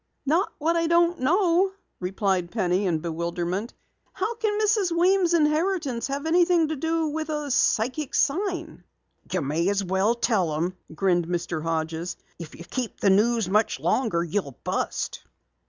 "Not what I don't know," replied Penny in bewilderment. "How can Mrs. Weems' inheritance have anything to do with a psychic sign?" "You may as well tell 'em," grinned Mr. Hodges, "If you keep the news much longer you'll bust."